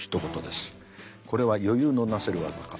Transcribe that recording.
これは余裕のなせる業か。